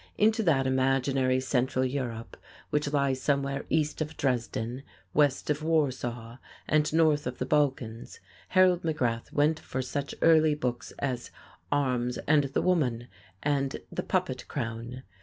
Into that imaginary Central Europe which lies somewhere east of Dresden, west of Warsaw, and north of the Balkans, Harold McGrath went for such early books as "Arms and the Woman" and "The Puppet Crown."